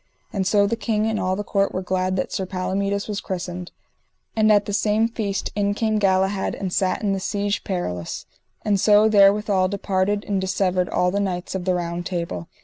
And so the king and all the court were glad that Sir Palomides was christened. And at the same feast in came Galahad and sat in the Siege Perilous. And so therewithal departed and dissevered all the knights of the Round Table.